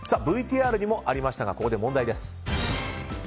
ＶＴＲにもありましたがここで問題です。